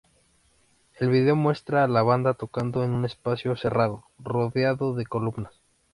El video muestra a la banda tocando en un espacio cerrado, rodeado de columnas.